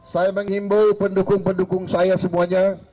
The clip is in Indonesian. saya menghimbau pendukung pendukung saya semuanya